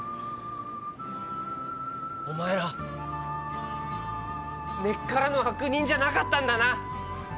お前ら根っからの悪人じゃなかったんだな。